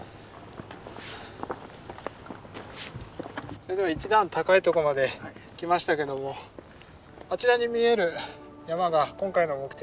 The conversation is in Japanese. それでは一段高いとこまで来ましたけどもあちらに見える山が今回の目的地